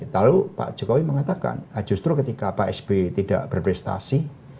lalu pak jokowi mengatakan justru ketika pak sby tidak berprestasi